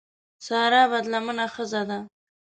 سارا بدلمنه ښځه ده.